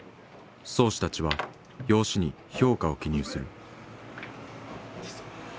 漕手たちは用紙に評価を記入する。